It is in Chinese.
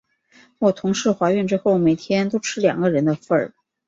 我同事怀孕之后，每天都吃两个人的份。